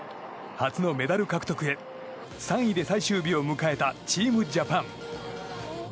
初のメダル獲得へ、３位で最終日を迎えたチームジャパン。